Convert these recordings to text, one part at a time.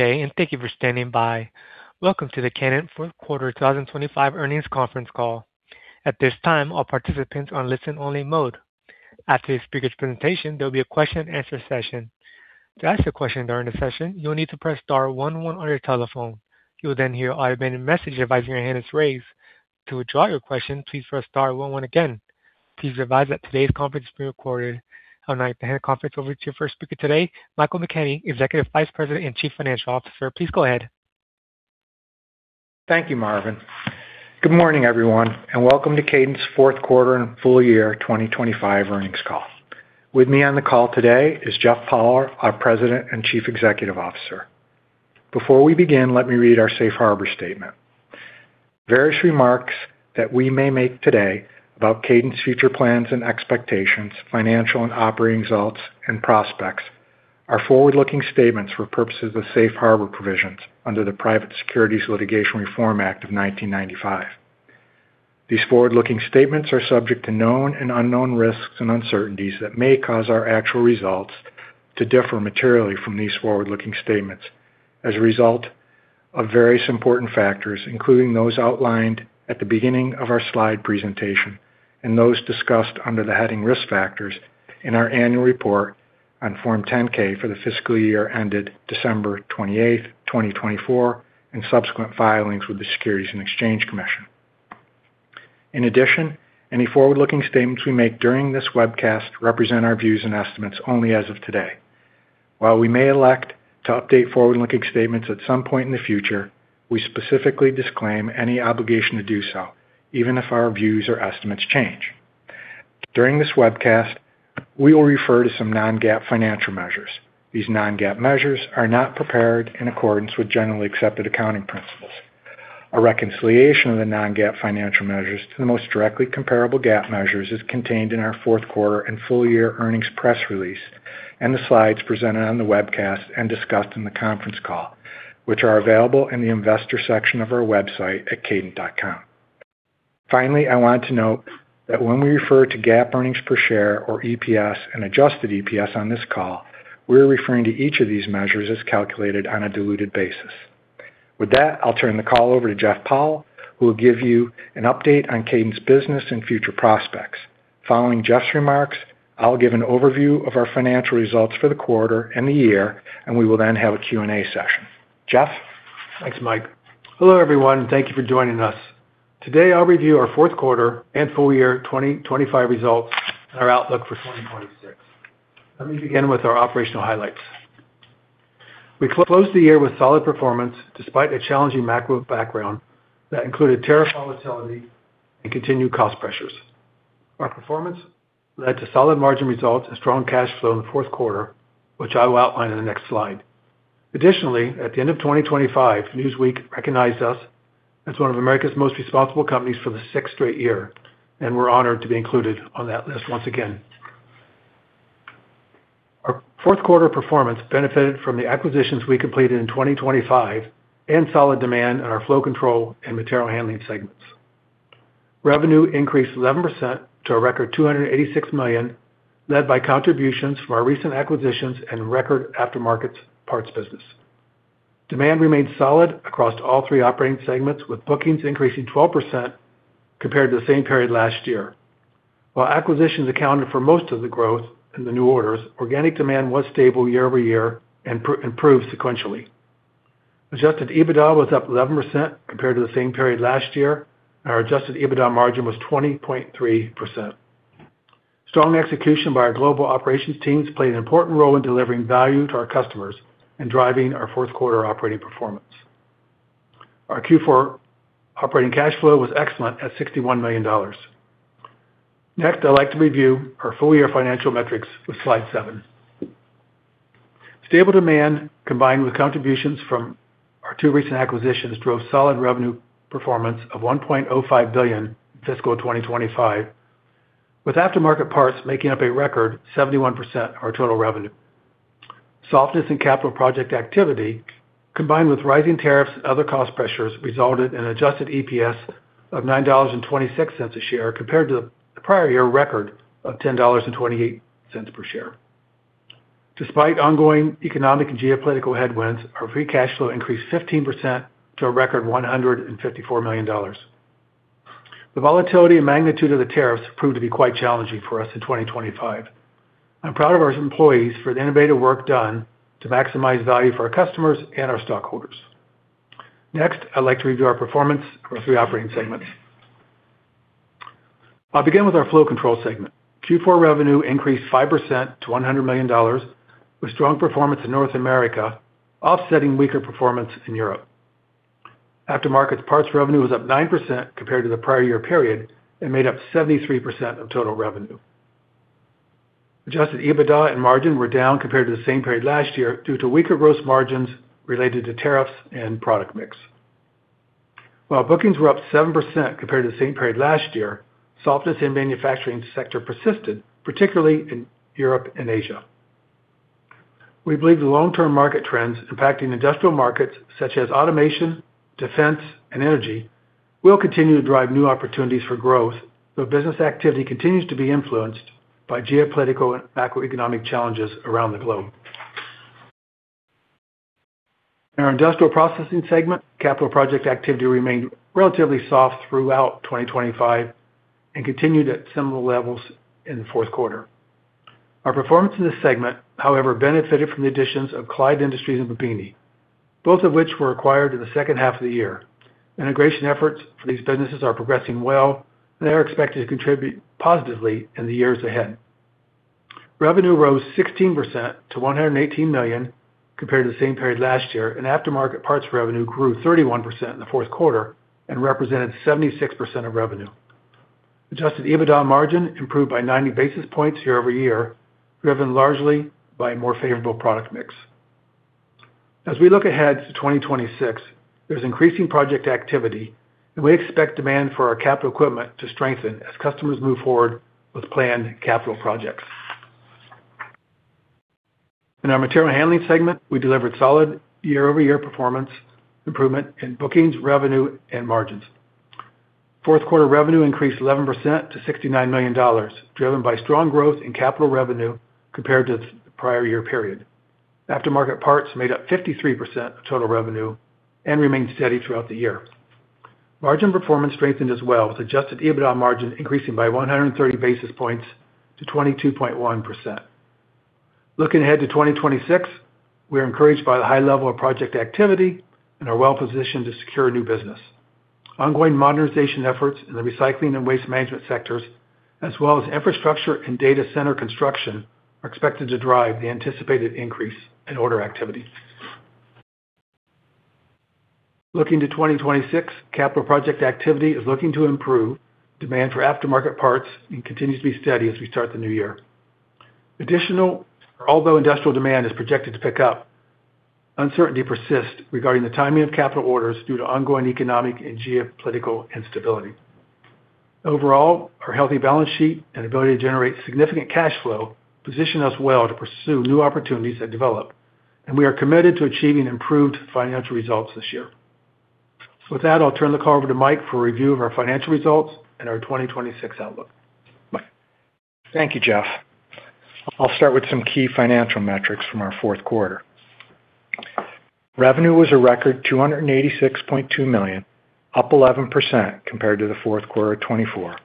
Day, and thank you for standing by. Welcome to the Kadant Fourth Quarter 2025 Earnings Conference Call. At this time, all participants are on listen-only mode. After the speaker's presentation, there'll be a question-and-answer session. To ask a question during the session, you'll need to press star one one on your telephone. You'll then hear an automated message advising your hand is raised. To withdraw your question, please press star one one again. Please advise that today's conference is being recorded. I would now like to hand the conference over to your first speaker today, Michael McKenney, Executive Vice President and Chief Financial Officer. Please go ahead. Thank you, Marvin. Good morning, everyone, and welcome to Kadant's Fourth Quarter and Full Year 2025 Earnings Call. With me on the call today is Jeff Powell, our President and Chief Executive Officer. Before we begin, let me read our Safe Harbor statement. Various remarks that we may make today about Kadant's future plans and expectations, financial and operating results and prospects are forward-looking statements for purposes of the safe harbor provisions under the Private Securities Litigation Reform Act of 1995. These forward-looking statements are subject to known and unknown risks and uncertainties that may cause our actual results to differ materially from these forward-looking statements as a result of various important factors, including those outlined at the beginning of our slide presentation and those discussed under the heading Risk Factors in our annual report on Form 10-K for the fiscal year ended December 28, 2024, and subsequent filings with the Securities and Exchange Commission. In addition, any forward-looking statements we make during this webcast represent our views and estimates only as of today. While we may elect to update forward-looking statements at some point in the future, we specifically disclaim any obligation to do so, even if our views or estimates change. During this webcast, we will refer to some non-GAAP financial measures. These non-GAAP measures are not prepared in accordance with generally accepted accounting principles. A reconciliation of the non-GAAP financial measures to the most directly comparable GAAP measures is contained in our fourth quarter and full year earnings press release and the slides presented on the webcast and discussed in the conference call, which are available in the Investor section of our website at kadant.com. Finally, I want to note that when we refer to GAAP earnings per share or EPS and adjusted EPS on this call, we're referring to each of these measures as calculated on a diluted basis. With that, I'll turn the call over to Jeff Powell, who will give you an update on Kadant's business and future prospects. Following Jeff's remarks, I'll give an overview of our financial results for the quarter and the year, and we will then have a Q&A session. Jeff? Thanks, Mike. Hello, everyone, and thank you for joining us. Today, I'll review our fourth quarter and full year 2025 results and our outlook for 2026. Let me begin with our operational highlights. We closed the year with solid performance, despite a challenging macro background that included tariff volatility and continued cost pressures. Our performance led to solid margin results and strong cash flow in the fourth quarter, which I will outline in the next slide. Additionally, at the end of 2025, Newsweek recognized us as one of America's Most Responsible Companies for the sixth straight year, and we're honored to be included on that list once again. Our fourth quarter performance benefited from the acquisitions we completed in 2025 and solid demand in our flow control and material handling segments. Revenue increased 11% to a record $286 million, led by contributions from our recent acquisitions and record aftermarket parts business. Demand remained solid across all three operating segments, with bookings increasing 12% compared to the same period last year. While acquisitions accounted for most of the growth in the new orders, organic demand was stable year-over-year and improved sequentially. Adjusted EBITDA was up 11% compared to the same period last year, and our adjusted EBITDA margin was 20.3%. Strong execution by our global operations teams played an important role in delivering value to our customers and driving our fourth quarter operating performance. Our Q4 operating cash flow was excellent at $61 million. Next, I'd like to review our full year financial metrics with slide seven. Stable demand, combined with contributions from our two recent acquisitions, drove solid revenue performance of $1.05 billion in fiscal 2025, with aftermarket parts making up a record 71% of our total revenue. Softness in capital project activity, combined with rising tariffs and other cost pressures, resulted in an adjusted EPS of $9.26 a share, compared to the prior year record of $10.28 per share. Despite ongoing economic and geopolitical headwinds, our free cash flow increased 15% to a record $154 million. The volatility and magnitude of the tariffs proved to be quite challenging for us in 2025. I'm proud of our employees for the innovative work done to maximize value for our customers and our stockholders. Next, I'd like to review our performance for our three operating segments. I'll begin with our flow control segment. Q4 revenue increased 5% to $100 million, with strong performance in North America offsetting weaker performance in Europe. Aftermarket parts revenue was up 9% compared to the prior year period and made up 73% of total revenue. Adjusted EBITDA and margin were down compared to the same period last year due to weaker gross margins related to tariffs and product mix. While bookings were up 7% compared to the same period last year, softness in manufacturing sector persisted, particularly in Europe and Asia. We believe the long-term market trends impacting industrial markets such as automation, defense, and energy. We'll continue to drive new opportunities for growth, though business activity continues to be influenced by geopolitical and macroeconomic challenges around the globe. In our industrial processing segment, capital project activity remained relatively soft throughout 2025 and continued at similar levels in the fourth quarter. Our performance in this segment, however, benefited from the additions of Clyde Industries and Babbini, both of which were acquired in the second half of the year. Integration efforts for these businesses are progressing well, and they are expected to contribute positively in the years ahead. Revenue rose 16% to $118 million compared to the same period last year, and aftermarket parts revenue grew 31% in the fourth quarter and represented 76% of revenue. Adjusted EBITDA margin improved by 90 basis points year-over-year, driven largely by a more favorable product mix. As we look ahead to 2026, there's increasing project activity, and we expect demand for our capital equipment to strengthen as customers move forward with planned capital projects. In our material handling segment, we delivered solid year-over-year performance improvement in bookings, revenue, and margins. Fourth quarter revenue increased 11% to $69 million, driven by strong growth in capital revenue compared to the prior year period. Aftermarket parts made up 53% of total revenue and remained steady throughout the year. Margin performance strengthened as well, with Adjusted EBITDA margin increasing by 130 basis points to 22.1%. Looking ahead to 2026, we are encouraged by the high level of project activity and are well positioned to secure new business. Ongoing modernization efforts in the recycling and waste management sectors, as well as infrastructure and data center construction, are expected to drive the anticipated increase in order activity. Looking to 2026, capital project activity is looking to improve demand for aftermarket parts and continues to be steady as we start the new year. Additionally, although industrial demand is projected to pick up, uncertainty persists regarding the timing of capital orders due to ongoing economic and geopolitical instability. Overall, our healthy balance sheet and ability to generate significant cash flow position us well to pursue new opportunities that develop, and we are committed to achieving improved financial results this year. So with that, I'll turn the call over to Mike for a review of our financial results and our 2026 outlook. Mike? Thank you, Jeff. I'll start with some key financial metrics from our fourth quarter. Revenue was a record $286.2 million, up 11% compared to the fourth quarter of 2024,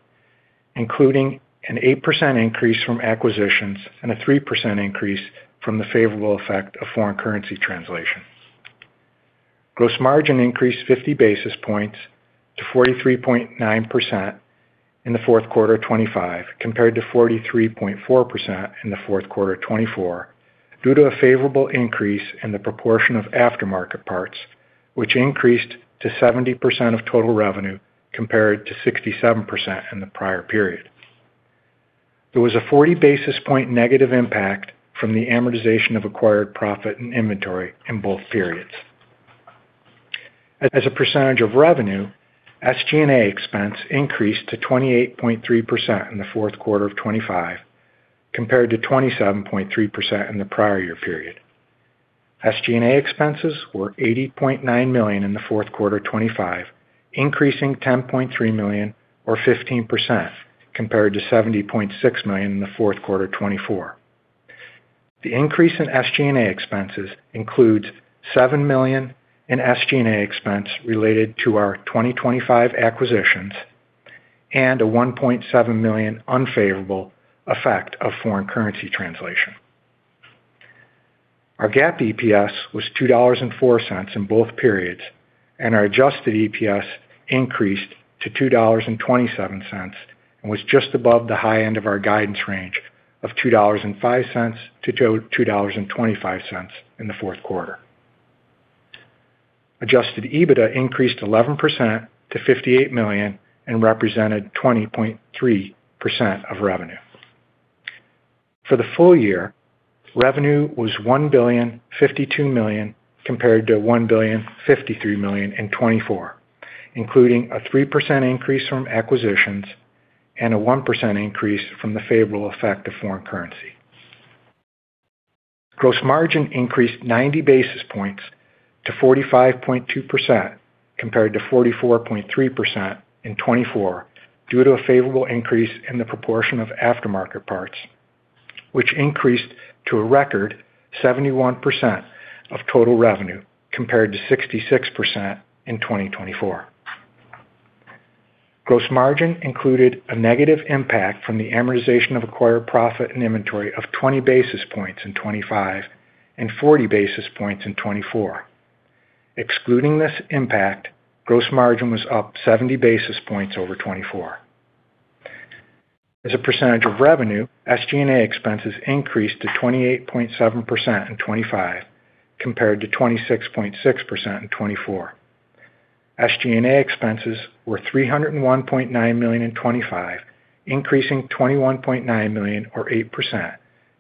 including an 8% increase from acquisitions and a 3% increase from the favorable effect of foreign currency translation. Gross margin increased 50 basis points to 43.9% in the fourth quarter of 2025, compared to 43.4% in the fourth quarter of 2024, due to a favorable increase in the proportion of aftermarket parts, which increased to 70% of total revenue, compared to 67% in the prior period. There was a 40 basis point negative impact from the amortization of acquired profit and inventory in both periods. As a percentage of revenue, SG&A expense increased to 28.3% in the fourth quarter of 2025, compared to 27.3% in the prior year period. SG&A expenses were $80.9 million in the fourth quarter of 2025, increasing $10.3 million, or 15% compared to $70.6 million in the fourth quarter of 2024. The increase in SG&A expenses includes $7 million in SG&A expense related to our 2025 acquisitions and a $1.7 million unfavorable effect of foreign currency translation. Our GAAP EPS was $2.04 in both periods, and our adjusted EPS increased to $2.27 and was just above the high end of our guidance range of $2.05-$2.25 in the fourth quarter. Adjusted EBITDA increased 11% to $58 million and represented 20.3% of revenue. For the full year, revenue was $1.052 billion, compared to $1.053 billion in 2024, including a 3% increase from acquisitions and a 1% increase from the favorable effect of foreign currency. Gross margin increased 90 basis points to 45.2%, compared to 44.3% in 2024, due to a favorable increase in the proportion of aftermarket parts, which increased to a record 71% of total revenue, compared to 66% in 2024. Gross margin included a negative impact from the amortization of acquired profit and inventory of 20 basis points in 2025 and 40 basis points in 2024. Excluding this impact, gross margin was up 70 basis points over 2024. As a percentage of revenue, SG&A expenses increased to 28.7% in 2025, compared to 26.6% in 2024. SG&A expenses were $301.9 million in 2025, increasing $21.9 million, or 8%,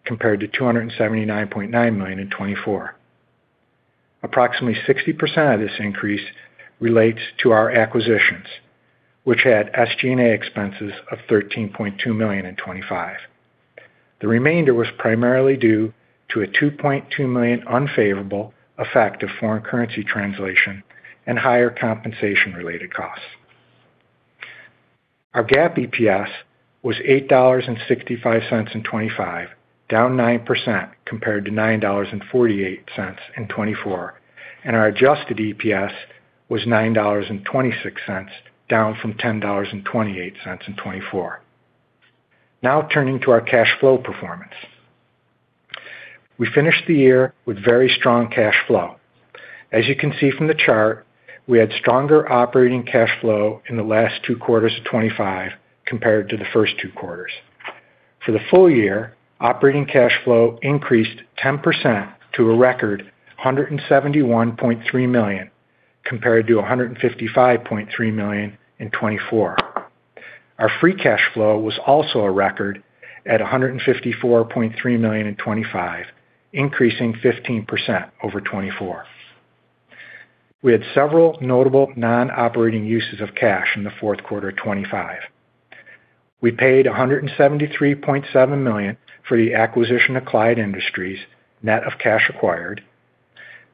compared to $279.9 million in 2024. Approximately 60% of this increase relates to our acquisitions, which had SG&A expenses of $13.2 million in 2025. The remainder was primarily due to a $2.2 million unfavorable effect of foreign currency translation and higher compensation-related costs. Our GAAP EPS was $8.65 in 2025, down 9% compared to $9.48 in 2024, and our adjusted EPS was $9.26, down from $10.28 in 2024. Now turning to our cash flow performance. We finished the year with very strong cash flow. As you can see from the chart, we had stronger operating cash flow in the last two quarters of 2025 compared to the first two quarters. For the full year, operating cash flow increased 10% to a record $171.3 million, compared to $155.3 million in 2024. Our free cash flow was also a record at $154.3 million in 2025, increasing 15% over 2024. We had several notable non-operating uses of cash in the fourth quarter of 2025. We paid $173.7 million for the acquisition of Clyde Industries, net of cash acquired.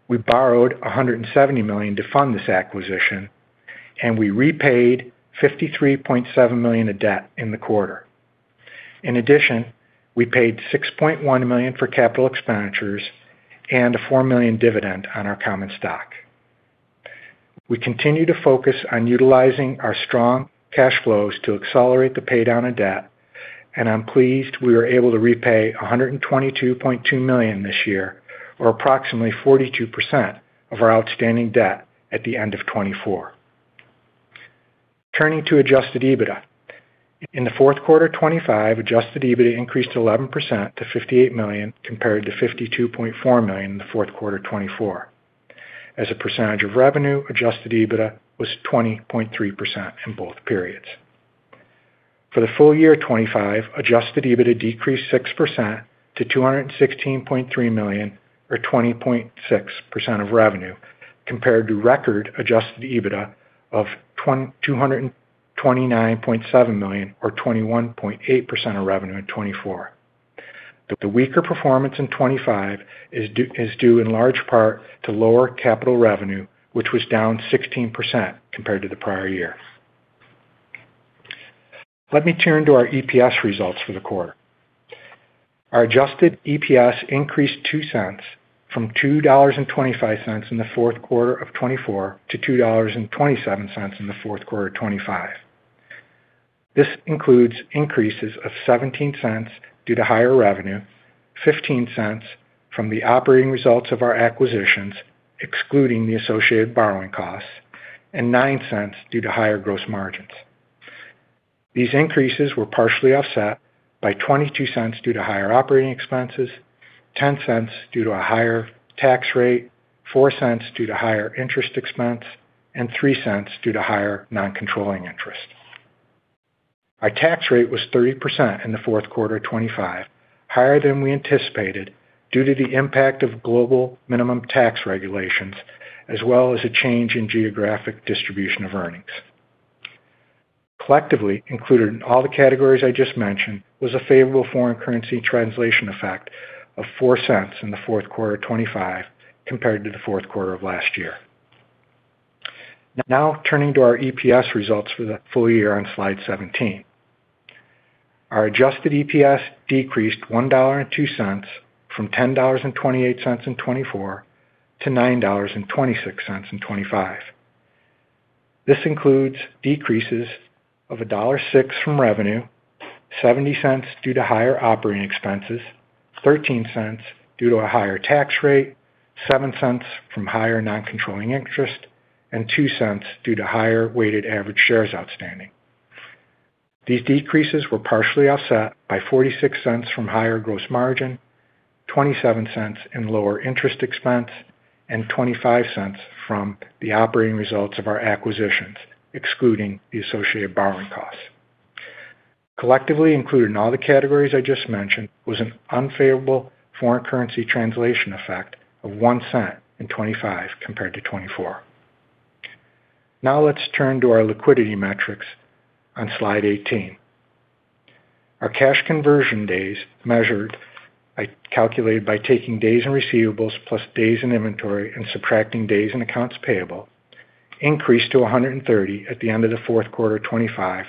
We borrowed $170 million to fund this acquisition, and we repaid $53.7 million of debt in the quarter. In addition, we paid $6.1 million for capital expenditures and a $4 million dividend on our common stock. We continue to focus on utilizing our strong cash flows to accelerate the paydown of debt, and I'm pleased we were able to repay $122.2 million this year, or approximately 42% of our outstanding debt at the end of 2024. Turning to adjusted EBITDA. In the fourth quarter of 2025, adjusted EBITDA increased 11% to $58 million, compared to $52.4 million in the fourth quarter of 2024. As a percentage of revenue, adjusted EBITDA was 20.3% in both periods. For the full year of 2025, adjusted EBITDA decreased 6% to $216.3 million, or 20.6% of revenue, compared to record adjusted EBITDA of two hundred and twenty-nine point seven million, or 21.8% of revenue in 2024. The weaker performance in 2025 is due in large part to lower capital revenue, which was down 16% compared to the prior year. Let me turn to our EPS results for the quarter. Our adjusted EPS increased $0.02 from $2.25 in the fourth quarter of 2024 to $2.27 in the fourth quarter of 2025. This includes increases of $0.17 due to higher revenue, $0.15 from the operating results of our acquisitions, excluding the associated borrowing costs, and $0.09 due to higher gross margins. These increases were partially offset by $0.22 due to higher operating expenses, $0.10 due to a higher tax rate, $0.04 due to higher interest expense, and $0.03 due to higher non-controlling interest. Our tax rate was 30% in the fourth quarter of 2025, higher than we anticipated due to the impact of global minimum tax regulations, as well as a change in geographic distribution of earnings. Collectively, included in all the categories I just mentioned, was a favorable foreign currency translation effect of $0.04 in the fourth quarter of 2025 compared to the fourth quarter of last year. Now turning to our EPS results for the full year on slide 17. Our adjusted EPS decreased $1.02 from $10.28 in 2024 to $9.26 in 2025. This includes decreases of $1.06 from revenue, $0.70 due to higher operating expenses, $0.13 due to a higher tax rate, $0.07 from higher non-controlling interest, and $0.02 due to higher weighted average shares outstanding. These decreases were partially offset by $0.46 from higher gross margin, $0.27 in lower interest expense, and $0.25 from the operating results of our acquisitions, excluding the associated borrowing costs. Collectively included in all the categories I just mentioned, was an unfavorable foreign currency translation effect of $0.01 in 2025 compared to 2024. Now let's turn to our liquidity metrics on slide 18. Our cash conversion days, measured by—calculated by taking days in receivables, plus days in inventory, and subtracting days in accounts payable, increased to 130 days at the end of the fourth quarter of 2025,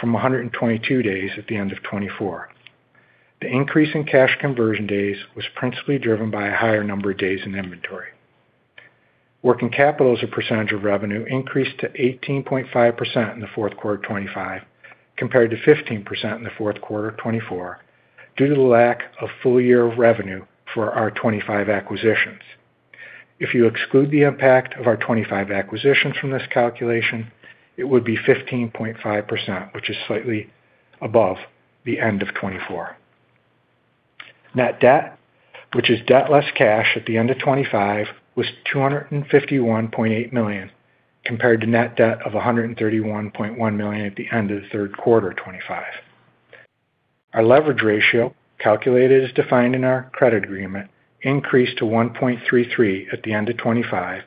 from 122 days at the end of 2024. The increase in cash conversion days was principally driven by a higher number of days in inventory. Working capital as a percentage of revenue increased to 18.5% in the fourth quarter of 2025, compared to 15% in the fourth quarter of 2024, due to the lack of full year of revenue for our 2025 acquisitions. If you exclude the impact of our 2025 acquisitions from this calculation, it would be 15.5%, which is slightly above the end of 2024. Net debt, which is debt less cash at the end of 2025, was $251.8 million, compared to net debt of $131.1 million at the end of the third quarter of 2025. Our leverage ratio, calculated as defined in our credit agreement, increased to 1.33 at the end of 2025,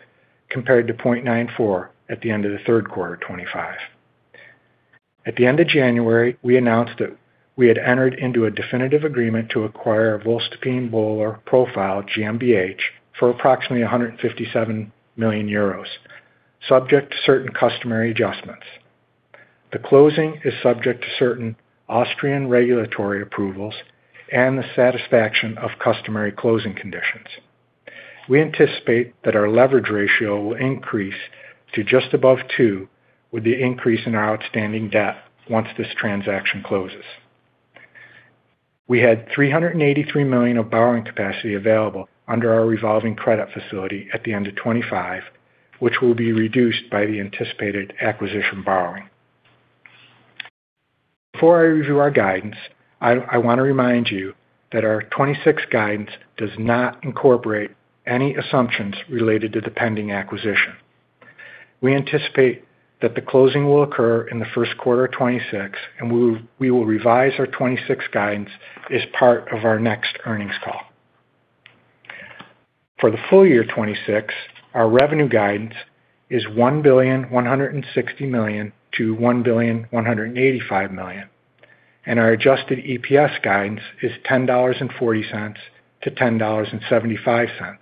compared to 0.94 at the end of the third quarter of 2025. At the end of January, we announced that we had entered into a definitive agreement to acquire voestalpine Böhler Profil GmbH for approximately 157 million euros, subject to certain customary adjustments. The closing is subject to certain Austrian regulatory approvals and the satisfaction of customary closing conditions. We anticipate that our leverage ratio will increase to just above 2, with the increase in our outstanding debt once this transaction closes. We had $383 million of borrowing capacity available under our Revolving Credit Facility at the end of 2025, which will be reduced by the anticipated acquisition borrowing. Before I review our guidance, I want to remind you that our 2026 guidance does not incorporate any assumptions related to the pending acquisition. We anticipate that the closing will occur in the first quarter of 2026, and we will revise our 2026 guidance as part of our next earnings call. For the full year 2026, our revenue guidance is $1.16 billion-$1.185 billion, and our adjusted EPS guidance is $10.40-$10.75,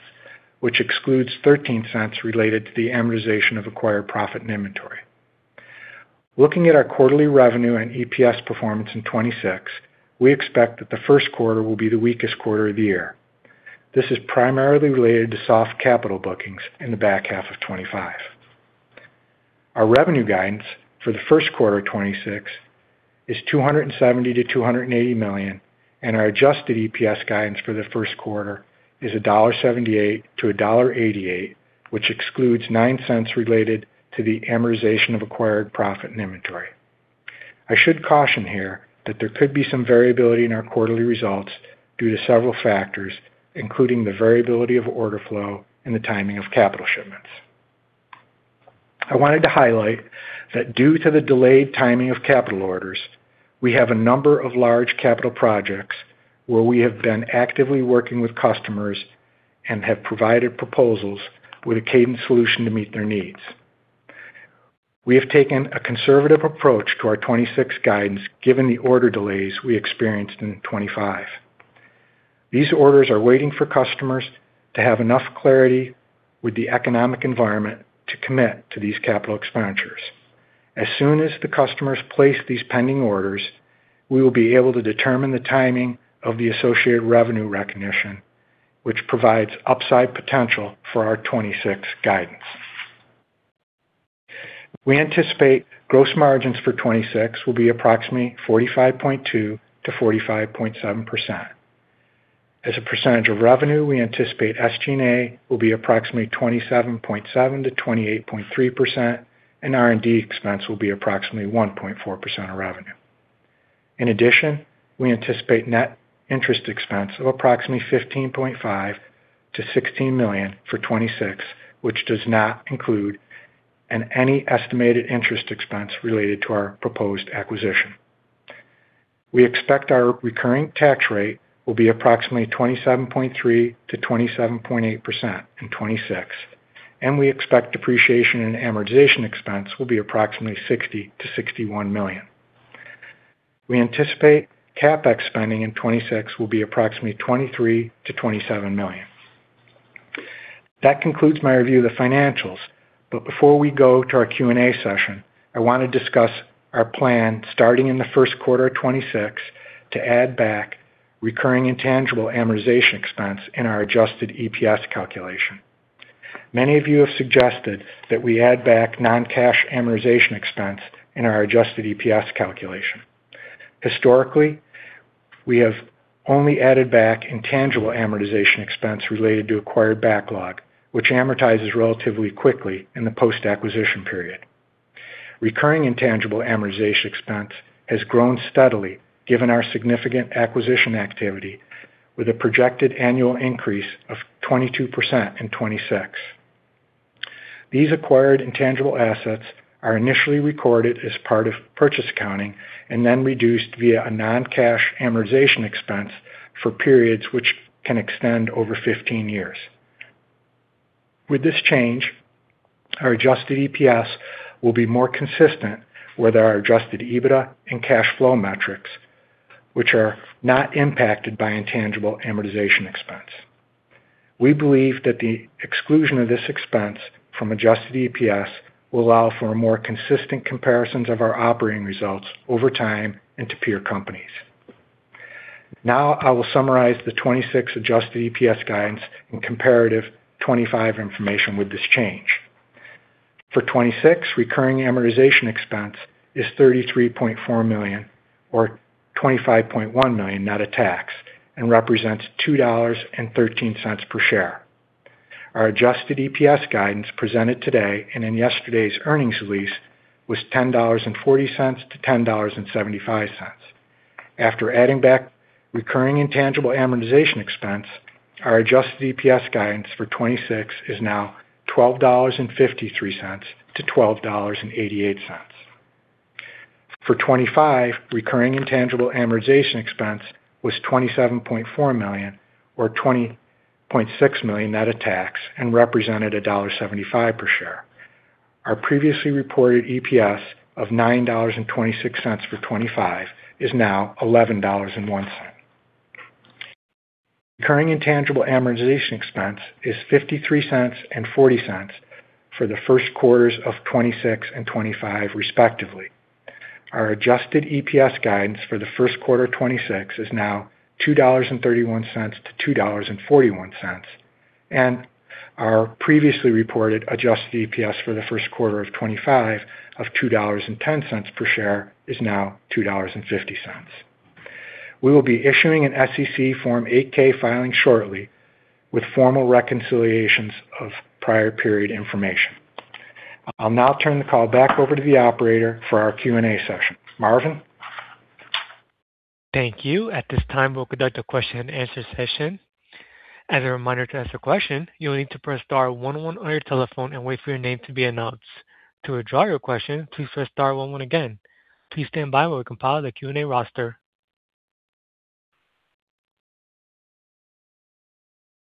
which excludes $0.13 related to the amortization of acquired profit and inventory. Looking at our quarterly revenue and EPS performance in 2026, we expect that the first quarter will be the weakest quarter of the year. This is primarily related to soft capital bookings in the back half of 2025. Our revenue guidance for the first quarter of 2026 is $270 million-$280 million, and our adjusted EPS guidance for the first quarter is $1.78-$1.88, which excludes $0.09 related to the amortization of acquired profit and inventory. I should caution here that there could be some variability in our quarterly results due to several factors, including the variability of order flow and the timing of capital shipments. I wanted to highlight that due to the delayed timing of capital orders, we have a number of large capital projects where we have been actively working with customers and have provided proposals with a Kadant solution to meet their needs. We have taken a conservative approach to our 2026 guidance, given the order delays we experienced in 2025. These orders are waiting for customers to have enough clarity with the economic environment to commit to these capital expenditures. As soon as the customers place these pending orders, we will be able to determine the timing of the associated revenue recognition, which provides upside potential for our 2026 guidance. We anticipate gross margins for 2026 will be approximately 45.2%-45.7%. As a percentage of revenue, we anticipate SG&A will be approximately 27.7%-28.3%, and R&D expense will be approximately 1.4% of revenue. In addition, we anticipate net interest expense of approximately $15.5 million-$16 million for 2026, which does not include any estimated interest expense related to our proposed acquisition. We expect our recurring tax rate will be approximately 27.3%-27.8% in 2026, and we expect depreciation and amortization expense will be approximately $60 million-$61 million. We anticipate CapEx spending in 2026 will be approximately $23 million-$27 million. That concludes my review of the financials, but before we go to our Q&A session, I want to discuss our plan, starting in the first quarter of 2026, to add back recurring intangible amortization expense in our adjusted EPS calculation. Many of you have suggested that we add back non-cash amortization expense in our adjusted EPS calculation. Historically, we have only added back intangible amortization expense related to acquired backlog, which amortizes relatively quickly in the post-acquisition period. Recurring intangible amortization expense has grown steadily, given our significant acquisition activity, with a projected annual increase of 22% in 2026. These acquired intangible assets are initially recorded as part of purchase accounting and then reduced via a non-cash amortization expense for periods which can extend over 15 years. With this change, our adjusted EPS will be more consistent with our adjusted EBITDA and cash flow metrics, which are not impacted by intangible amortization expense. We believe that the exclusion of this expense from adjusted EPS will allow for more consistent comparisons of our operating results over time and to peer companies. Now, I will summarize the 2026 adjusted EPS guidance and comparative 2025 information with this change. For 2026, recurring amortization expense is $33.4 million or $25.1 million net of tax, and represents $2.13 per share. Our adjusted EPS guidance presented today and in yesterday's earnings release was $10.40-$10.75. After adding back recurring intangible amortization expense, our adjusted EPS guidance for 2026 is now $12.53-$12.88. For 2025, recurring intangible amortization expense was $27.4 million-$27.6 million net of tax and represented a $1.75 per share. Our previously reported EPS of $9.26 for 2025 is now $11.01. Current intangible amortization expense is $0.53 and $0.40 for the first quarters of 2026 and 2025 respectively. Our adjusted EPS guidance for the first quarter of 2026 is now $2.31-$2.41, and our previously reported adjusted EPS for the first quarter of 2025 of $2.10 per share is now $2.50. We will be issuing an SEC Form 8-K filing shortly with formal reconciliations of prior period information. I'll now turn the call back over to the operator for our Q&A session. Marvin? Thank you. At this time, we'll conduct a question-and-answer session. As a reminder, to ask a question, you'll need to press star one on your telephone and wait for your name to be announced. To withdraw your question, please press star one one again. Please stand by while we compile the Q&A roster.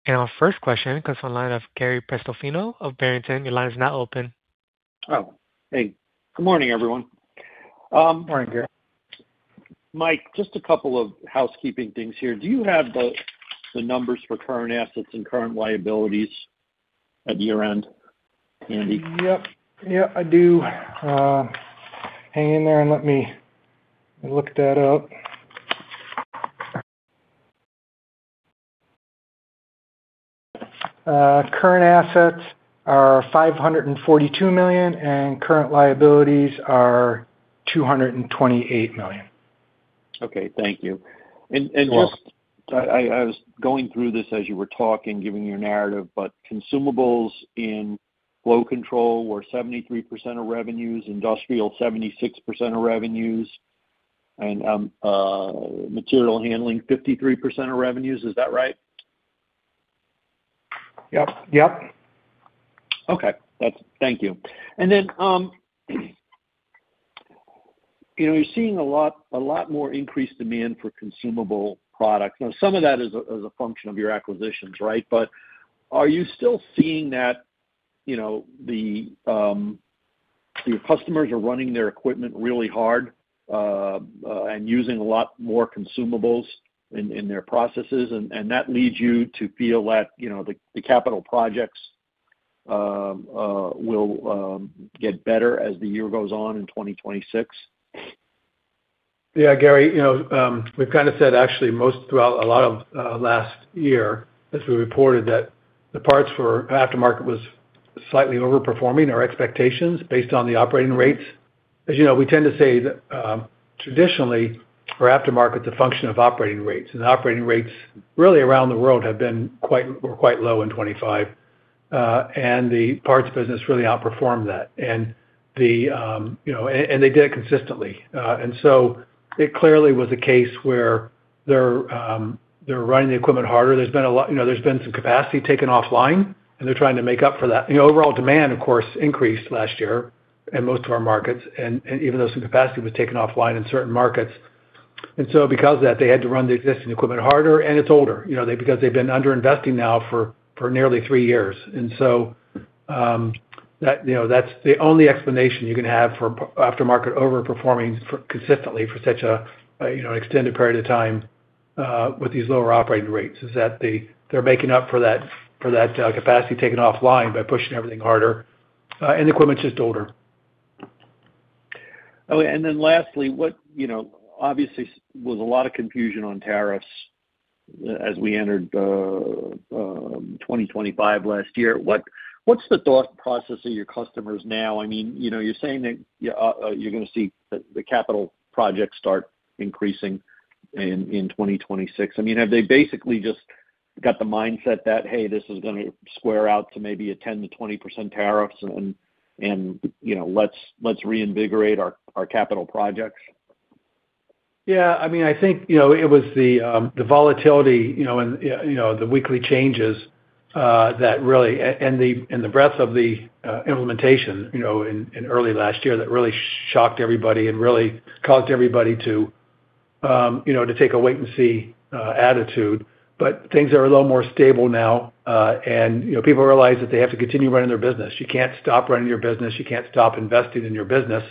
Our first question comes on the line of Gary Prestopino of Barrington. Your line is now open. Oh, hey, good morning, everyone. Good morning, Gary. Mike, just a couple of housekeeping things here. Do you have the numbers for current assets and current liabilities at year-end handy? Yep. Yep, I do. Hang in there and let me look that up. Current assets are $542 million, and current liabilities are $228 million. Okay, thank you. You're welcome. And just, I was going through this as you were talking, giving your narrative, but consumables in flow control were 73% of revenues, industrial, 76% of revenues, and material handling, 53% of revenues. Is that right? Yep. Yep. Okay, that's. Thank you. And then, you know, you're seeing a lot, a lot more increased demand for consumable products. Now, some of that is a function of your acquisitions, right? But are you still seeing that, you know, your customers are running their equipment really hard and using a lot more consumables in their processes, and that leads you to feel that, you know, the capital projects will get better as the year goes on in 2026? Yeah, Gary, you know, we've kind of said actually most throughout a lot of last year, as we reported, that the parts for aftermarket was slightly overperforming our expectations based on the operating rates. As you know, we tend to say that, traditionally, for aftermarket, the function of operating rates and operating rates really around the world have been quite, quite low in 2025, and the parts business really outperformed that. And the, you know, and they did it consistently. And so it clearly was a case where they're, they're running the equipment harder. There's been a lot, you know, there's been some capacity taken offline, and they're trying to make up for that. You know, overall demand, of course, increased last year in most of our markets, and even though some capacity was taken offline in certain markets. Because of that, they had to run the existing equipment harder, and it's older, you know, because they've been underinvesting now for nearly three years. That, you know, that's the only explanation you can have for aftermarket overperforming consistently for such a, you know, extended period of time with these lower operating rates, is that they're making up for that capacity taken offline by pushing everything harder, and the equipment's just older. Okay, and then lastly, what, you know, obviously was a lot of confusion on tariffs as we entered 2025 last year. What, what's the thought process of your customers now? I mean, you know, you're saying that you're gonna see the capital projects start increasing in 2026. I mean, have they basically just got the mindset that, hey, this is gonna square out to maybe a 10%-20% tariffs and, you know, let's reinvigorate our capital projects? Yeah, I mean, I think, you know, it was the volatility, you know, and, you know, the weekly changes that really and the breadth of the implementation, you know, in early last year, that really shocked everybody and really caused everybody to, you know, to take a wait and see attitude. But things are a little more stable now, and, you know, people realize that they have to continue running their business. You can't stop running your business. You can't stop investing in your business.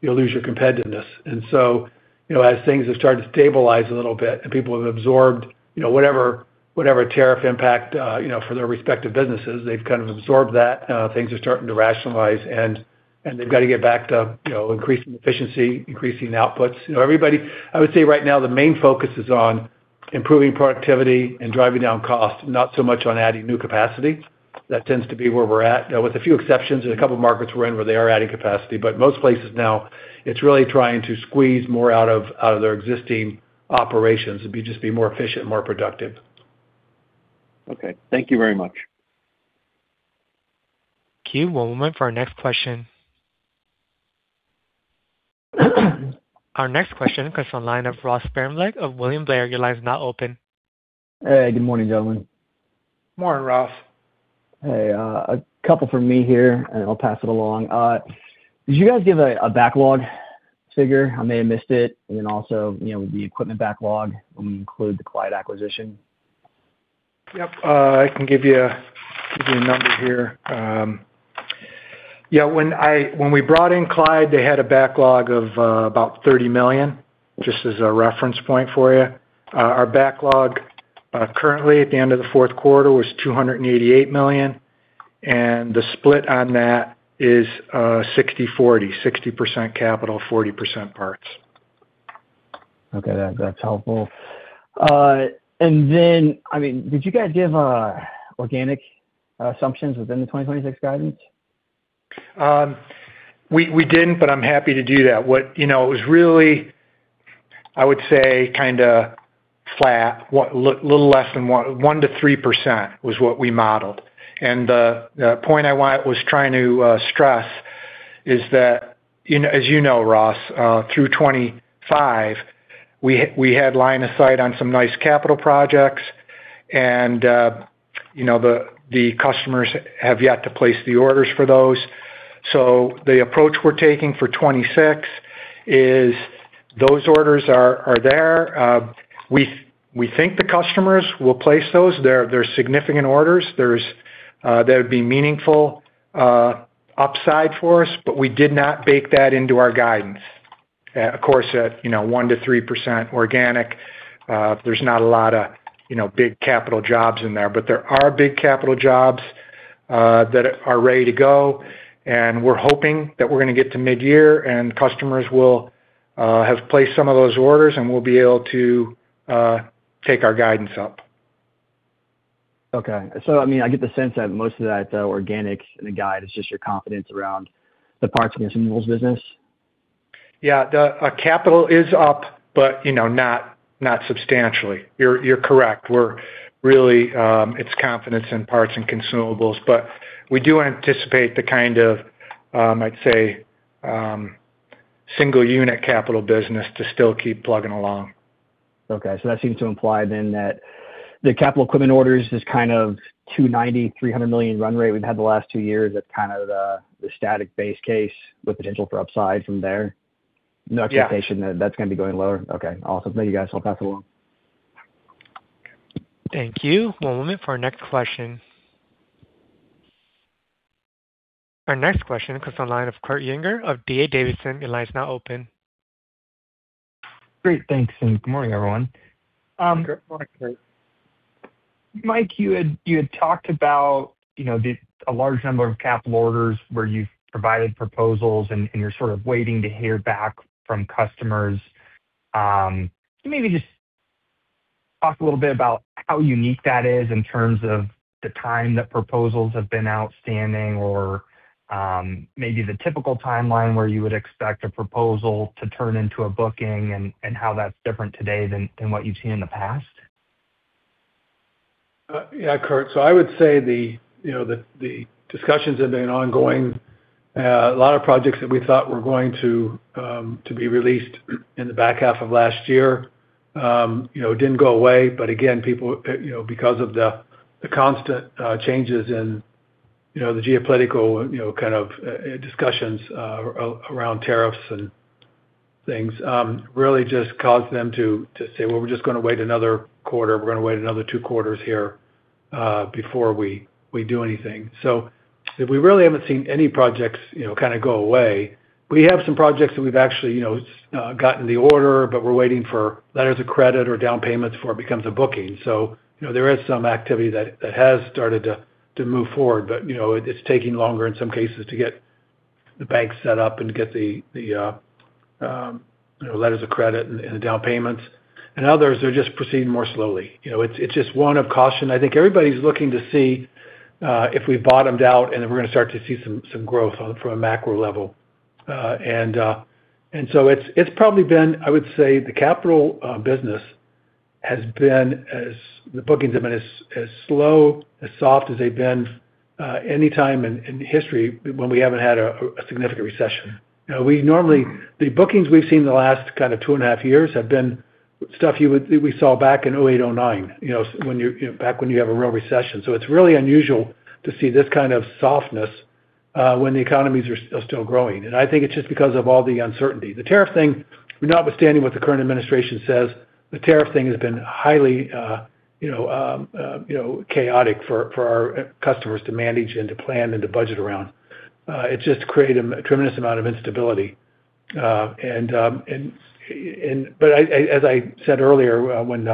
You'll lose your competitiveness. So, you know, as things have started to stabilize a little bit and people have absorbed, you know, whatever, whatever tariff impact, you know, for their respective businesses, they've kind of absorbed that, things are starting to rationalize and they've got to get back to, you know, increasing efficiency, increasing outputs. You know, everybody, I would say right now, the main focus is on improving productivity and driving down costs, not so much on adding new capacity. That tends to be where we're at, with a few exceptions in a couple of markets we're in, where they are adding capacity, but most places now, it's really trying to squeeze more out of their existing operations and just be more efficient, more productive. Okay, thank you very much. Q, one moment for our next question. Our next question comes on the line of Ross Sparenblek of William Blair. Your line is now open. Hey, good morning, gentlemen. Morning, Ross. Hey, a couple from me here, and I'll pass it along. Did you guys give a backlog figure? I may have missed it. And then also, you know, the equipment backlog, when we include the Clyde acquisition? Yep, I can give you, give you a number here. Yeah, when we brought in Clyde, they had a backlog of about $30 million, just as a reference point for you. Our backlog currently, at the end of the fourth quarter, was $288 million, and the split on that is 60/40, 60% capital, 40% parts. Okay, that, that's helpful. And then, I mean, did you guys give organic assumptions within the 2026 guidance? We didn't, but I'm happy to do that. You know, it was really, I would say, kinda flat, a little less than 1%-3% was what we modeled. And the point I was trying to stress is that, you know, as you know, Ross, through 2025, we had line of sight on some nice capital projects, and, you know, the customers have yet to place the orders for those. So the approach we're taking for 2026 is those orders are there. We think the customers will place those. They're significant orders. That would be meaningful upside for us, but we did not bake that into our guidance. Of course, at, you know, 1%-3% organic, there's not a lot of, you know, big capital jobs in there. But there are big capital jobs that are ready to go, and we're hoping that we're gonna get to mid-year, and customers will have placed some of those orders, and we'll be able to take our guidance up. Okay. So, I mean, I get the sense that most of that, the organic in the guide, is just your confidence around the parts and consumables business? Yeah, the capital is up, but, you know, not substantially. You're correct. We're really, it's confidence in parts and consumables, but we do anticipate the kind of, I'd say, single unit capital business to still keep plugging along. Okay, so that seems to imply then that the capital equipment orders is kind of $290 million-$300 million run rate we've had the last two years. That's kind of the static base case with potential for upside from there? Yeah. No expectation that that's gonna be going lower. Okay, awesome. Thank you, guys. I'll pass it along. Thank you. One moment for our next question. Our next question comes from the line of Kurt Yinger of D.A. Davidson. Your line is now open. Great. Thanks, and good morning, everyone. Good morning, Kurt. Mike, you had talked about, you know, a large number of capital orders where you've provided proposals and you're sort of waiting to hear back from customers. Can maybe just talk a little bit about how unique that is in terms of the time that proposals have been outstanding or maybe the typical timeline where you would expect a proposal to turn into a booking and how that's different today than what you've seen in the past? Yeah, Kurt. So I would say the, you know, discussions have been ongoing. A lot of projects that we thought were going to be released in the back half of last year, you know, didn't go away. But again, people, you know, because of the constant changes in, you know, the geopolitical, you know, kind of, discussions around tariffs and things, really just caused them to say, "Well, we're just gonna wait another quarter. We're gonna wait another two quarters here before we do anything." So we really haven't seen any projects, you know, kind of go away. We have some projects that we've actually, you know, gotten the order, but we're waiting for letters of credit or down payments before it becomes a booking. So, you know, there is some activity that has started to move forward, but, you know, it, it's taking longer in some cases to get the bank set up and get the, you know, letters of credit and the down payments. And others are just proceeding more slowly. You know, it's just one of caution. I think everybody's looking to see if we bottomed out and if we're gonna start to see some growth on from a macro level. And so it's probably been, I would say, the capital business has been as the bookings have been as slow as soft as they've been any time in history when we haven't had a significant recession. You know, we normally, the bookings we've seen in the last kind of two and a half years have been stuff you would we saw back in 2008, 2009, you know, when you, back when you have a real recession. So it's really unusual to see this kind of softness when the economies are still growing. And I think it's just because of all the uncertainty. The tariff thing, notwithstanding what the current administration says, the tariff thing has been highly, you know, chaotic for our customers to manage and to plan and to budget around. It's just created a tremendous amount of instability. But I, as I said earlier, when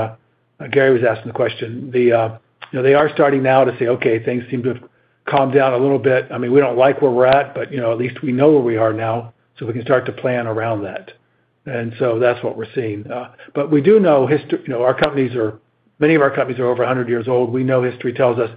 Gary was asking the question, you know, they are starting now to say, Okay, things seem to have calmed down a little bit. I mean, we don't like where we're at, but, you know, at least we know where we are now, so we can start to plan around that. And so that's what we're seeing. But we do know history, you know, many of our companies are over a hundred years old. We know history tells us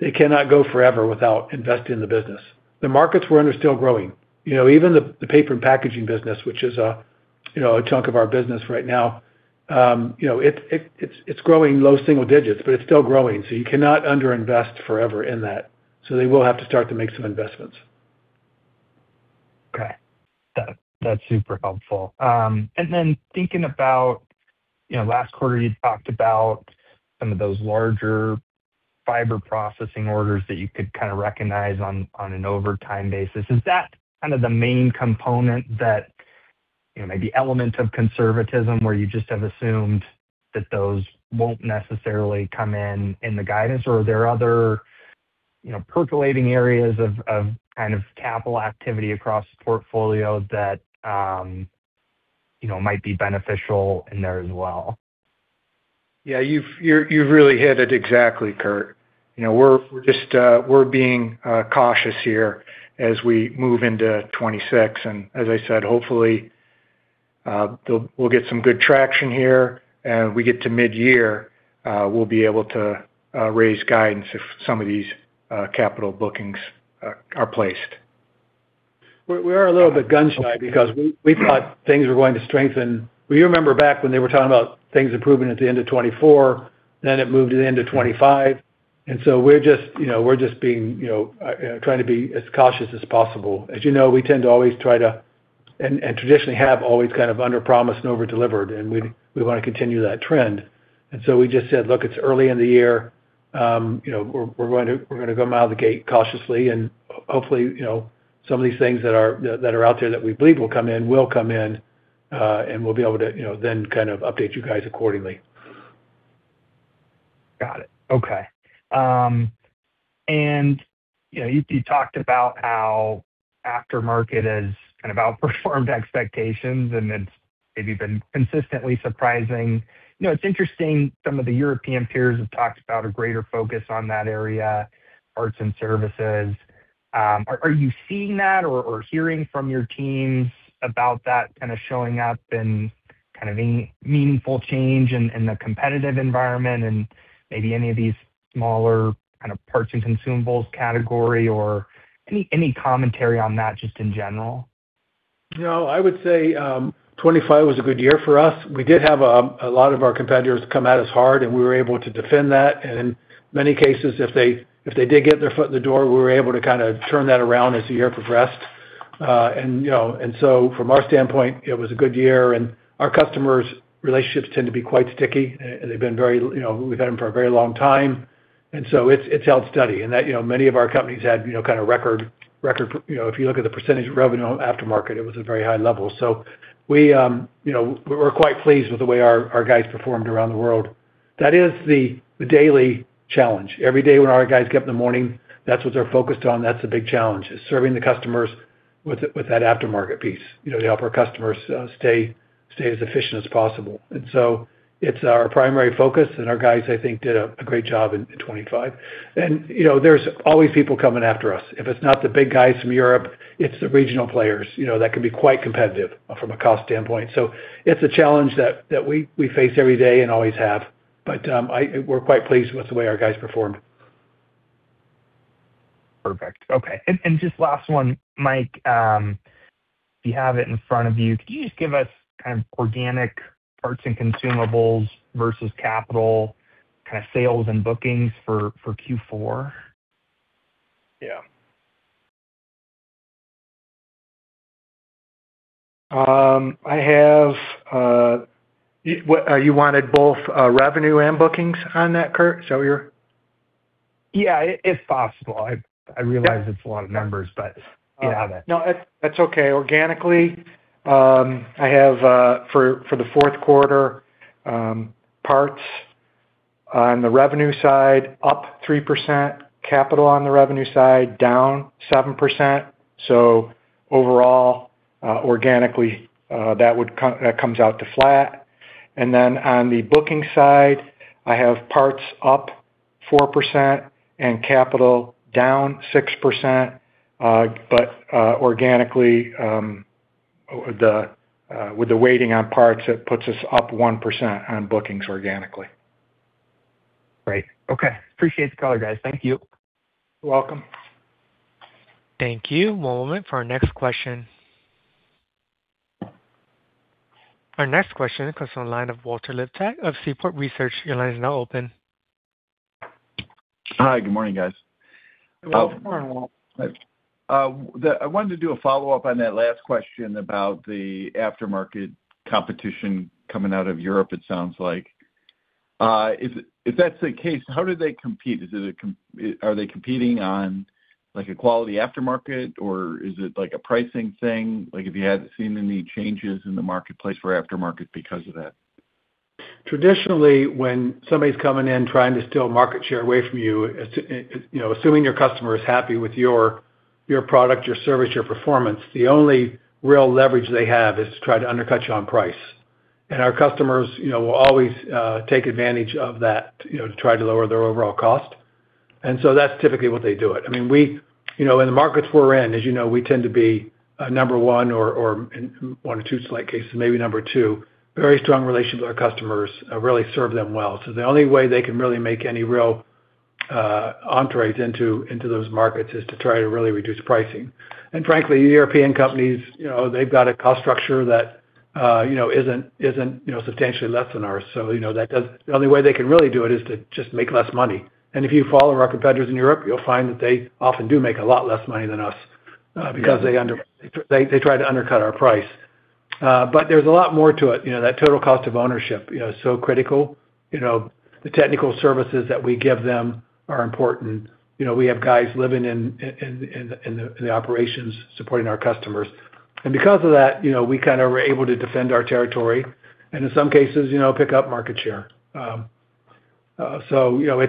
they cannot go forever without investing in the business. The markets we're under are still growing. You know, even the paper and packaging business, which is, you know, a chunk of our business right now, you know, it's growing low single digits, but it's still growing, so you cannot underinvest forever in that. So they will have to start to make some investments. That's super helpful. And then thinking about, you know, last quarter, you talked about some of those larger fiber processing orders that you could kind of recognize on an overtime basis. Is that kind of the main component that, you know, maybe element of conservatism, where you just have assumed that those won't necessarily come in in the guidance? Or are there other, you know, percolating areas of kind of capital activity across the portfolio that, you know, might be beneficial in there as well? Yeah, you've really hit it exactly, Kurt. You know, we're just being cautious here as we move into 2026. And as I said, hopefully we'll get some good traction here, and we get to midyear, we'll be able to raise guidance if some of these capital bookings are placed. We're a little bit gun-shy because we thought things were going to strengthen. Well, you remember back when they were talking about things improving at the end of 2024, then it moved to the end of 2025, and so we're just, you know, we're just being, you know, trying to be as cautious as possible. As you know, we tend to always try to and, and traditionally have always kind of underpromised and over-delivered, and we wanna continue that trend. We just said: Look, it's early in the year. You know, we're going to come out of the gate cautiously, and hopefully, you know, some of these things that are out there that we believe will come in will come in, and we'll be able to, you know, then kind of update you guys accordingly. Got it. Okay. And, you know, you talked about how aftermarket has kind of outperformed expectations, and it's maybe been consistently surprising. You know, it's interesting, some of the European peers have talked about a greater focus on that area, parts and services. Are you seeing that or hearing from your teams about that kind of showing up and kind of any meaningful change in the competitive environment and maybe any of these smaller kind of parts and consumables category, or any commentary on that, just in general? You know, I would say, 2025 was a good year for us. We did have a lot of our competitors come at us hard, and we were able to defend that. And in many cases, if they did get their foot in the door, we were able to kind of turn that around as the year progressed. And you know, and so from our standpoint, it was a good year, and our customers' relationships tend to be quite sticky. They've been very, you know, we've had them for a very long time, and so it's held steady. And that, you know, many of our companies had, you know, kind of record. You know, if you look at the percentage of revenue aftermarket, it was a very high level. So we, you know, we're quite pleased with the way our guys performed around the world. That is the daily challenge. Every day when our guys get up in the morning, that's what they're focused on. That's the big challenge, is serving the customers with that aftermarket piece. You know, to help our customers stay as efficient as possible. And so it's our primary focus, and our guys, I think, did a great job in 2025. And, you know, there's always people coming after us. If it's not the big guys from Europe, it's the regional players, you know, that can be quite competitive from a cost standpoint. So it's a challenge that we face every day and always have. But we're quite pleased with the way our guys performed. Perfect. Okay. And just last one, Mike, if you have it in front of you, can you just give us kind of organic parts and consumables versus capital, kind of, sales and bookings for Q4? Yeah. I have what you wanted, both revenue and bookings on that, Kurt? Is that what you're- Yeah, if possible. I realize- Yeah. It's a lot of numbers, but yeah. No, that's, that's okay. Organically, I have, for, for the fourth quarter, parts on the revenue side, up 3%, capital on the revenue side, down 7%. So overall, organically, that comes out to flat. And then on the booking side, I have parts up 4% and capital down 6%. But, organically, the, with the weighting on parts, it puts us up 1% on bookings organically. Great. Okay. Appreciate the color, guys. Thank you. You're welcome. Thank you. One moment for our next question. Our next question comes from the line of Walter Liptak of Seaport Research. Your line is now open. Hi, good morning, guys. Good morning, Walter. I wanted to do a follow-up on that last question about the aftermarket competition coming out of Europe, it sounds like. If that's the case, how do they compete? Are they competing on, like, a quality aftermarket, or is it, like a pricing thing? Like, if you haven't seen any changes in the marketplace for aftermarket because of that. Traditionally, when somebody's coming in, trying to steal market share away from you, it's, you know, assuming your customer is happy with your product, your service, your performance, the only real leverage they have is to try to undercut you on price. And our customers, you know, will always take advantage of that, you know, to try to lower their overall cost. And so that's typically what they do. I mean, you know, in the markets we're in, as you know, we tend to be number one or in one or two select cases, maybe number two. Very strong relationship with our customers, really serve them well. So the only way they can really make any real entries into those markets is to try to really reduce pricing. And frankly, European companies, you know, they've got a cost structure that- You know, isn't substantially less than ours. So, you know, that does. The only way they can really do it is to just make less money. And if you follow our competitors in Europe, you'll find that they often do make a lot less money than us, because they try to undercut our price. But there's a lot more to it, you know, that total cost of ownership, you know, is so critical. You know, the technical services that we give them are important. You know, we have guys living in the operations supporting our customers. And because of that, you know, we kinda are able to defend our territory and in some cases, you know, pick up market share. So, you know,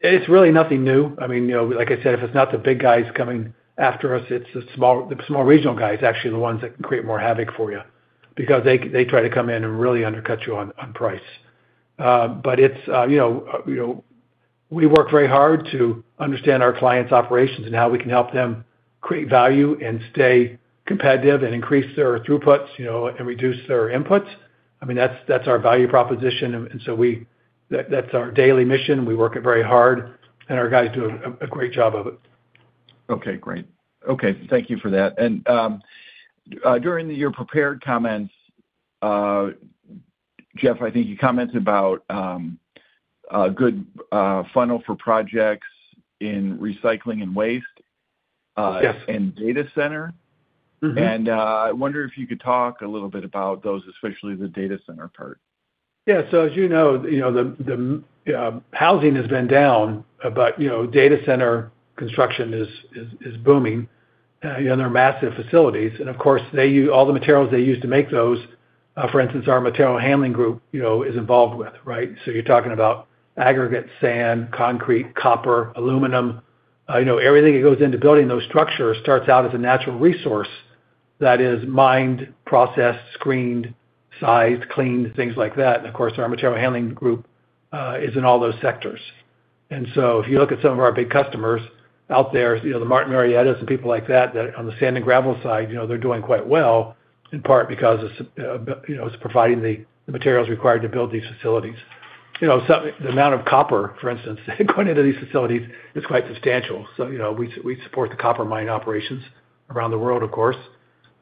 it's really nothing new. I mean, you know, like I said, if it's not the big guys coming after us, it's the small regional guys, actually, the ones that can create more havoc for you because they try to come in and really undercut you on price. But it's, you know, you know, we work very hard to understand our clients' operations and how we can help them create value and stay competitive and increase their throughputs, you know, and reduce their inputs. I mean, that's our value proposition. And so we, that's our daily mission. We work it very hard, and our guys do a great job of it. Okay, great. Okay, thank you for that. And, during your prepared comments, Jeff, I think you commented about a good funnel for projects in recycling and waste. Yes. and data center. Mm-hmm. I wonder if you could talk a little bit about those, especially the data center part? Yeah. So as you know, you know, the housing has been down, but, you know, data center construction is booming. You know, there are massive facilities, and of course, they use all the materials they use to make those, for instance, our material handling group, you know, is involved with, right? So you're talking about aggregate, sand, concrete, copper, aluminum. You know, everything that goes into building those structures starts out as a natural resource that is mined, processed, screened, sized, cleaned, things like that. And of course, our material handling group is in all those sectors. If you look at some of our big customers out there, you know, the Martin Marietta and people like that, that are on the sand and gravel side, you know, they're doing quite well, in part because, you know, it's providing the, the materials required to build these facilities. You know, so the amount of copper, for instance, going into these facilities is quite substantial. So, you know, we support the copper mining operations around the world, of course.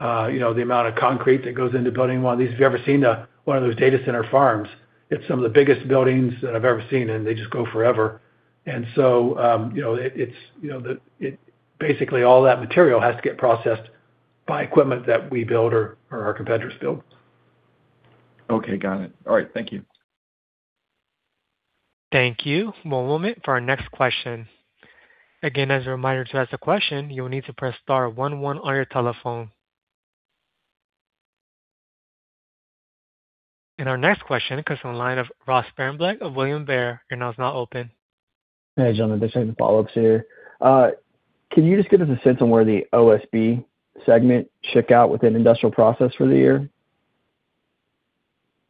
You know, the amount of concrete that goes into building one of these. If you've ever seen one of those data center farms, it's some of the biggest buildings that I've ever seen, and they just go forever. And so, you know, basically, all that material has to get processed by equipment that we build or our competitors build. Okay, got it. All right. Thank you. Thank you. One moment for our next question. Again, as a reminder, to ask a question, you will need to press star one one on your telephone. Our next question comes from the line of Ross Sparenblek of William Blair. Your line is now open. Hey, gentlemen, just some follow-ups here. Can you just give us a sense on where the OSB segment shook out within industrial process for the year?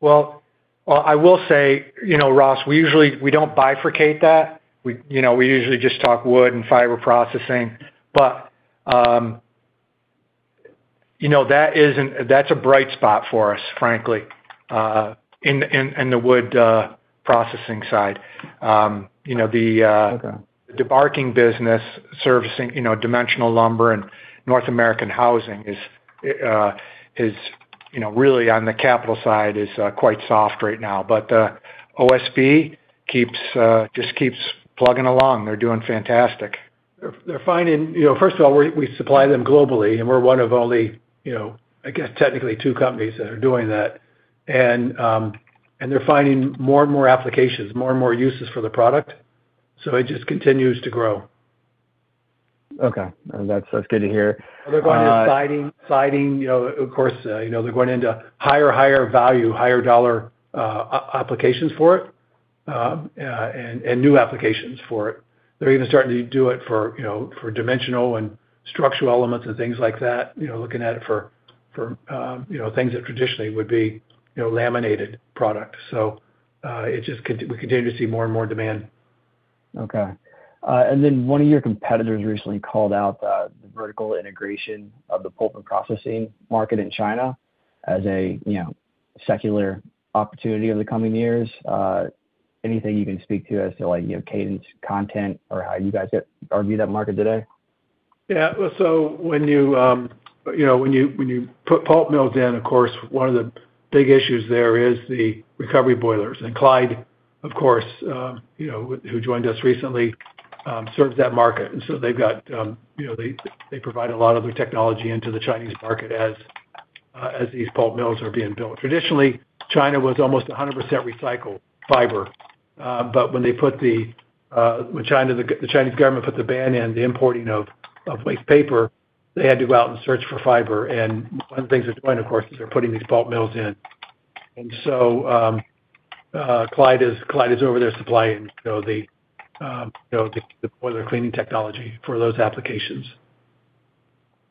Well, well, I will say, you know, Ross, we usually we don't bifurcate that. We, you know, we usually just talk wood and fiber processing. But, you know, that isn't that's a bright spot for us, frankly, in the wood processing side. You know, the Okay. The debarking business servicing, you know, dimensional lumber and North American housing is, you know, really on the capital side quite soft right now. But the OSB keeps just plugging along. They're doing fantastic. They're finding. You know, first of all, we supply them globally, and we're one of only, you know, I guess technically two companies that are doing that. And they're finding more and more applications, more and more uses for the product, so it just continues to grow. Okay. That's good to hear. They're going into siding, siding, you know, of course, you know, they're going into higher, higher value, higher dollar, applications for it, and, and new applications for it. They're even starting to do it for, you know, for dimensional and structural elements and things like that, you know, looking at it for, for, you know, things that traditionally would be, you know, laminated products. So, it just we continue to see more and more demand. Okay. And then one of your competitors recently called out the vertical integration of the pulp and processing market in China as a, you know, secular opportunity over the coming years. Anything you can speak to as to like, you know, cadence, content, or how you guys argue that market today? Yeah. So when you know, when you put pulp mills in, of course, one of the big issues there is the recovery boilers. And Clyde, of course, you know, who joined us recently, serves that market, and so they've got, you know, they provide a lot of the technology into the Chinese market as these pulp mills are being built. Traditionally, China was almost 100% recycled fiber, but when the Chinese government put the ban in on the importing of wastepaper, they had to go out and search for fiber. And one of the things they're doing, of course, is they're putting these pulp mills in. And so, Clyde is over there supplying, you know, the boiler cleaning technology for those applications.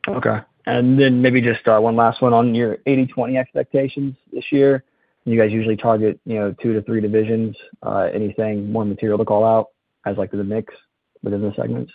Okay. And then maybe just, one last one on your 80/20 expectations this year. You guys usually target, you know, 2-3 divisions. Anything more material to call out as, like, the mix within the segments?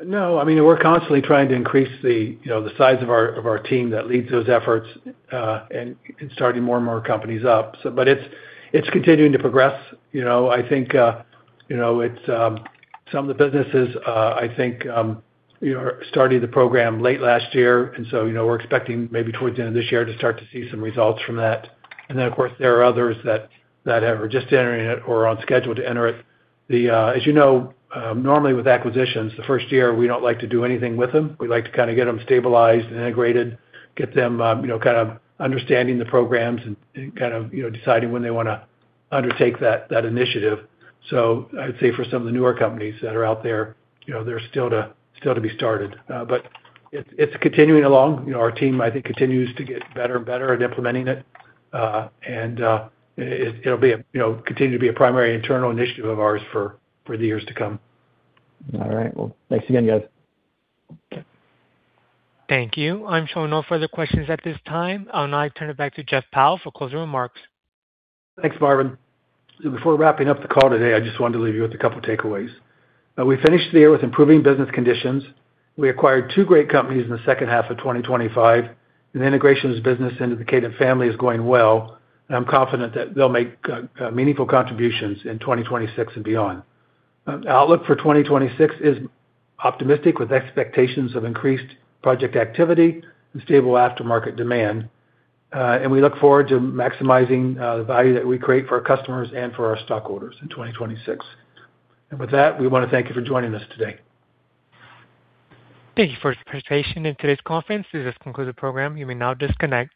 No. I mean, we're constantly trying to increase the, you know, the size of our, of our team that leads those efforts, and starting more and more companies up. So, but it's, it's continuing to progress. You know, I think, you know, it's, some of the businesses, I think, you know, started the program late last year, and so, you know, we're expecting maybe towards the end of this year to start to see some results from that. And then, of course, there are others that, that have just entering it or are on schedule to enter it. The, as you know, normally with acquisitions, the first year, we don't like to do anything with them. We like to kind of get them stabilized and integrated, get them, you know, kind of understanding the programs and kind of, you know, deciding when they wanna undertake that initiative. So I'd say for some of the newer companies that are out there, you know, they're still to be started. But it's continuing along. You know, our team, I think, continues to get better and better at implementing it. And it'll be, you know, continue to be a primary internal initiative of ours for the years to come. All right. Well, thanks again, guys. Thank you. I'm showing no further questions at this time. I'll now turn it back to Jeff Powell for closing remarks. Thanks, Marvin. Before wrapping up the call today, I just wanted to leave you with a couple of takeaways. We finished the year with improving business conditions. We acquired two great companies in the second half of 2025. The integration of this business into the Kadant family is going well, and I'm confident that they'll make meaningful contributions in 2026 and beyond. Outlook for 2026 is optimistic, with expectations of increased project activity and stable aftermarket demand, and we look forward to maximizing the value that we create for our customers and for our stockholders in 2026. With that, we wanna thank you for joining us today. Thank you for your participation in today's conference. This has concluded the program. You may now disconnect.